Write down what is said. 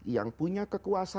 yang punya kekuasaan